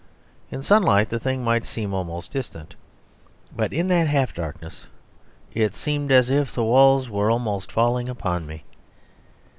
In sunlight the thing might seem almost distant; but in that half darkness it seemed as if the walls were almost falling upon me.